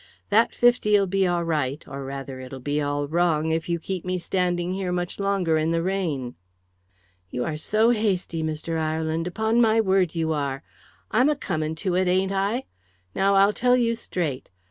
"That fifty'll be all right, or rather it'll be all wrong, if you keep me standing here much longer in the rain." "You are so hasty, Mr. Ireland, upon my word you are. I'm a coming to it, ain't I? Now I'll tell you straight.